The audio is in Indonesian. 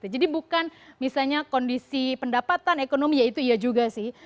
jadi bukan misalnya kondisi pendapatan ekonomi ya itu iya juga sih